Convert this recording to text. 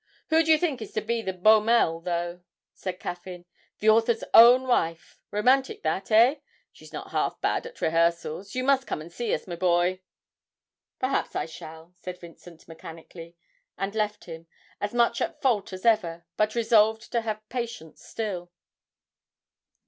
'Who do you think is to be the Beaumelle, though?' said Caffyn; 'the author's own wife! Romantic that, eh? She's not half bad at rehearsals; you must come and see us, my boy!' 'Perhaps I shall,' said Vincent, mechanically, and left him, as much at fault as ever, but resolved to have patience still.